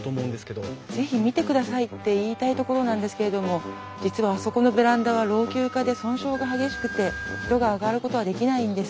是非見てくださいって言いたいところなんですけれども実はあそこのベランダは老朽化で損傷が激しくて人が上がることはできないんです。